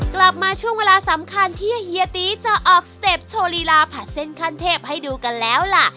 กลับมาช่วงเวลาสำคัญที่เฮียตีจะออกสเต็ปโชว์ลีลาผัดเส้นขั้นเทพให้ดูกันแล้วล่ะ